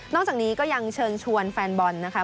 จากนี้ก็ยังเชิญชวนแฟนบอลนะคะ